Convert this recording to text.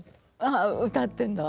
ああ歌ってんだ